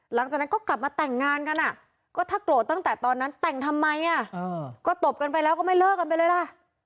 หลังจากนั้นก็กลับมาแต่งงานกันก็ถ้าโกรธตั้งแต่ตอนนั้นแต่งทำไมก็ตบกันไปแล้วก็ไม่เลิกกันไปเลยล่ะ